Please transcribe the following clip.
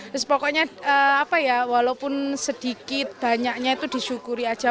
terus pokoknya apa ya walaupun sedikit banyaknya itu disyukuri aja